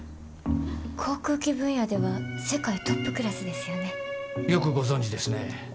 航空機分野では世界トップクラスですよね。よくご存じですね。